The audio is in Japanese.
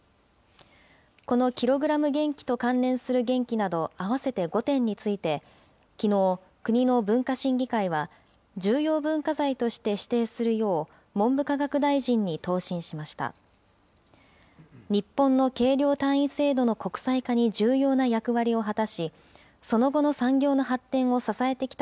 このキログラム原器と関連する原器など合わせて５点について、きのう、国の文化審議会は、重要文化財として指定するよう文部科学大臣に答申しました。